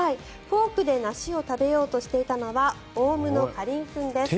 フォークで梨を食べようとしていたのはオウムのカリン君です。